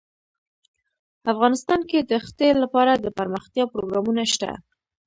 افغانستان کې د ښتې لپاره دپرمختیا پروګرامونه شته.